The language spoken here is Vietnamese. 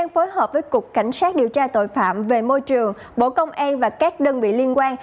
phối hợp với cục cảnh sát điều tra tội phạm về môi trường bộ công an và các đơn vị liên quan